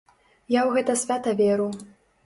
Я ў гэта свята веру.